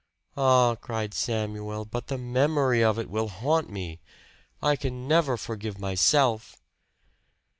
"Ah," cried Samuel, "but the memory of it will haunt me I can never forgive myself!"